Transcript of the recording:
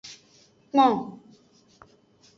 Kpong.